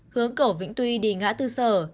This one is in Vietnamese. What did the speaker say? hướng cổ vĩnh tuy đi ngã tư sở